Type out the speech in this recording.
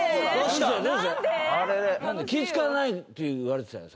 気ぃ使わないって言われてたよね